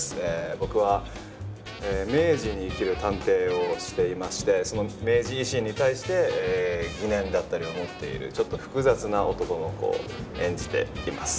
僕は明治に生きる探偵をしていましてその明治維新に対して疑念だったりを持っているちょっと複雑な男の子を演じています。